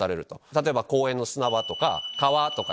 例えば公園の砂場とか川とか。